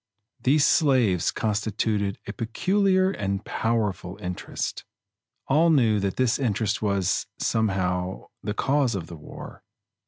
These slaves constituted a peculiar and powerful interest. All knew that this interest was, somehow, the cause of the war.